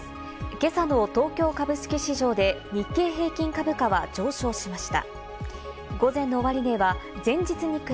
今朝の東京株式市場で日経平均株価は上昇しました。